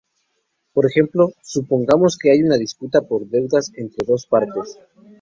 Por ejemplo, supongamos que hay una disputa por deudas entre dos partes.